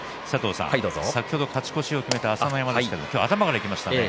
先ほど勝ち越しを決めた朝乃山ですが今日は頭からいきましたね。